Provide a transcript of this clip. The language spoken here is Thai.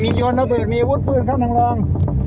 มีย้นละเป้ลมีอุดปืนครับนางรอง